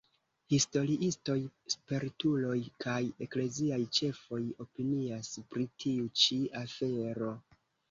Historiistoj, spertuloj kaj ekleziaj ĉefoj opinias pri tiu ĉi afero.